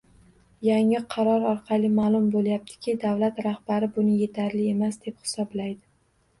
Yangi qaror orqali maʼlum boʻlayaptiki, davlat rahbari buni yetarli emas, deb hisoblaydi.